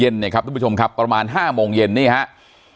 ทุกผู้ชมครับประมาณ๕โมงเย็นนี่ครับ